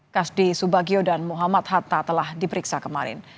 kasdi subagio dan muhammad hatta telah diperiksa kemarin